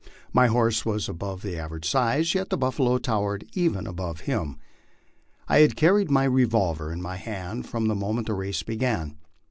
My horse was above the average size, yet the buffalo towered even above him. I had carried my revolver in my hand from the moment the race began.